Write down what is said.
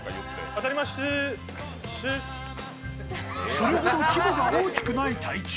それほど規模が大きくない台中。